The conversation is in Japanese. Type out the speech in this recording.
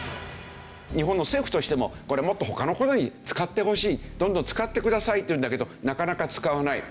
日本の政府としてもこれもっと他の事に使ってほしいどんどん使ってくださいというんだけどなかなか使わない。